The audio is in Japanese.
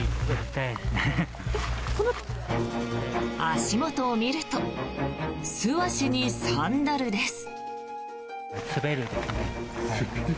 足元を見ると素足にサンダルです。